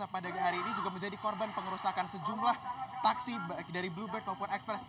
pada hari ini juga menjadi korban pengerusakan sejumlah taksi baik dari bluebird maupun express